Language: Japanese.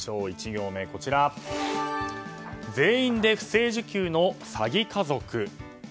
１行目全員で不正受給の詐欺家族。